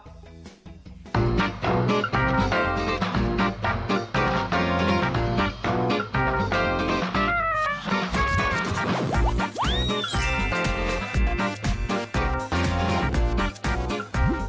ไปเริ่มกันที่สัตว์ตัวแรกกับสุนัข